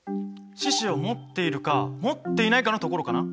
四肢をもっているかもっていないかのところかな。